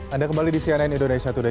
anda kembali di cnn indonesia today